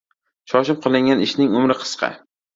Shoshib qilingan ishning umri qisqa.